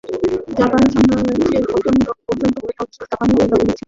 Japan সাম্রাজ্যের পতন পর্যন্ত এই অঞ্চল জাপানিদের দখলে ছিল।